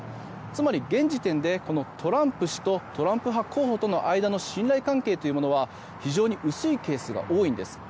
つまり現時点でトランプ氏とトランプ派候補との間の信頼関係というのは非常に薄いケースが多いんです。